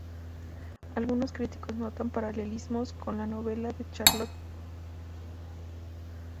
Algunos críticos notan paralelismos con la novela de Charlotte Brontë "Jane Eyre".